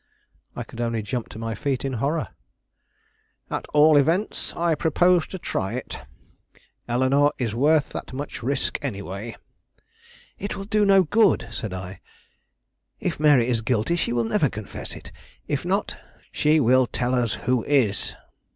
I could only jump to my feet in my horror. "At all events, I propose to try it. Eleanore is worth that much risk any way." "It will do no good," said I. "If Mary is guilty, she will never confess it. If not " "She will tell us who is."